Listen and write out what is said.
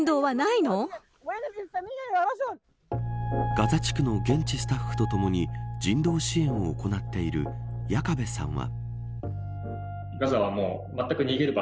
ガザ地区の現地スタッフとともに人道支援を行っている矢加部さんは。